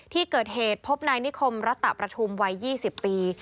ที่เกิดเหตุพบนายนิคมรัตตะประทุมวัย๒๐ปี